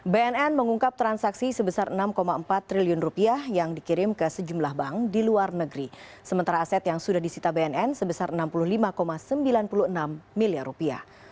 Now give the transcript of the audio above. bnn mengungkap transaksi sebesar enam empat triliun rupiah yang dikirim ke sejumlah bank di luar negeri sementara aset yang sudah disita bnn sebesar enam puluh lima sembilan puluh enam miliar rupiah